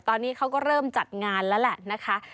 ตอนนี้เขาก็เริ่มจัดงานแล้วแหละนะคะ